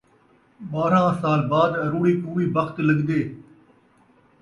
ٻارہاں سال بعد اروڑی کوں وی بخت لڳدے